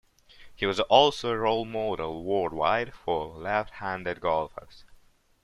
He was also a role model worldwide for left-handed golfers.